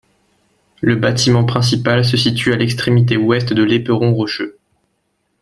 Le bâtiment principal se situe à l’extrémité ouest de l’éperon rocheux.